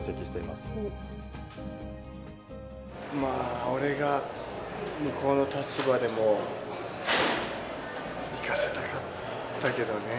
まあ、俺が向こうの立場でも、いかせたかったけどね。